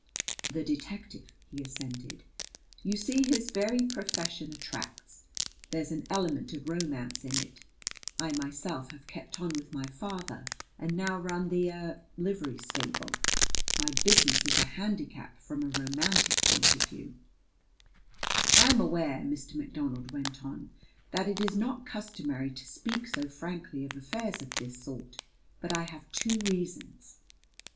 "The detective," he assented. "You see his very profession attracts. There's an element of romance in it. I myself have kept on with my father and now run the er livery stable. My business is a handicap from a romantic point of view. "I am aware," Mr. McDonald went on, "that it is not customary to speak so frankly of affairs of this sort; but I have two reasons.